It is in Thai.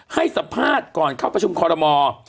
ให้สัมภาษณ์ก่อนเข้าประชุมคอรมอล์